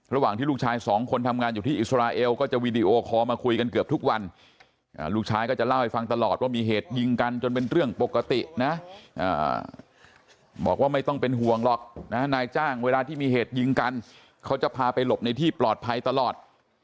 ระหว่างที่ลูกชายสองคนทำงานอยู่ที่อิสราเอลก็จะวีดีโอคอลมาคุยกันเกือบทุกวันลูกชายก็จะเล่าให้ฟังตลอดว่ามีเหตุยิงกันจนเป็นเรื่องปกตินะบอกว่าไม่ต้องเป็นห่วงหรอกนะนายจ้างเวลาที่มีเหตุยิงกันเขาจะพาไปหลบในที่ปลอดภัยตลอด